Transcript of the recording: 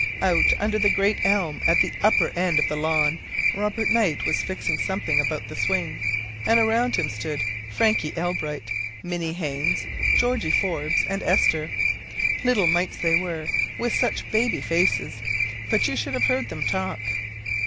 Out under the great elm at the upper end of the lawn, Robert Knight was fixing something about the swing, and around him stood Frankie Elbright, Minnie Haines, Georgie Forbes, and Esther. Little mites they were, with such baby faces, but you should have heard them talk.